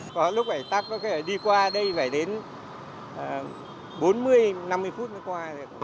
có lúc phải tắt đi qua đây phải đến bốn mươi năm mươi phút mới qua